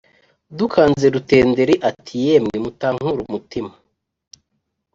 Dukanze rutenderi ati yemwe mutankura umutima